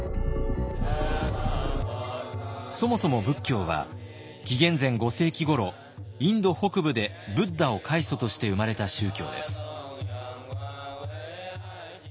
そもそも仏教は紀元前５世紀ごろインド北部でブッダを開祖として生まれた宗教です。